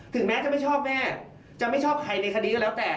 แม้จะไม่ชอบแม่จะไม่ชอบใครในคดีก็แล้วแต่